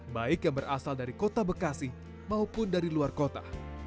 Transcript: baik yang berasal dari kota bekasi maupun dari luar kota